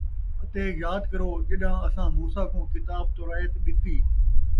اَتے یاد کرو ڄَݙاں اَساں موسیٰ کوں کتاب توریت ݙِتی